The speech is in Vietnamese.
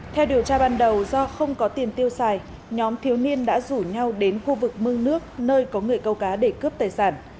theo điều tra ban đầu do không có tiền tiêu xài nhóm thiếu niên đã rủ nhau đến khu vực mương nước nơi có người câu cá để cướp tài sản